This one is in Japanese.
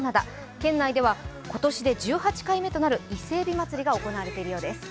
県内では今年で１８回目となる伊勢えび祭りが行われているようです。